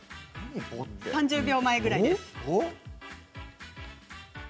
３０秒前ぐらいです。